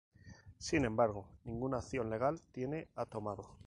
Sin embargo, ninguna acción legal tiene ha tomado.